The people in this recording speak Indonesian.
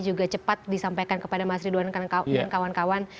juga cepat disampaikan kepada mas ridwan dan kawan kawan